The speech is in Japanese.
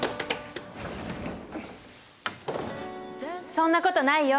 そんなことないよ。